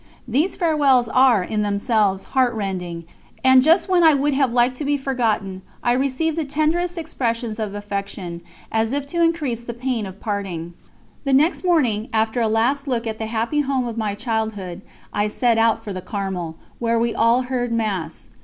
These farewells are in themselves heartrending, and just when I would have liked to be forgotten I received the tenderest expressions of affection, as if to increase the pain of parting. The next morning, after a last look at the happy home of my childhood, I set out for the Carmel, where we all heard Mass.